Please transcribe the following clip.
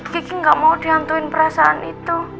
kiki gak mau dihantuin perasaan itu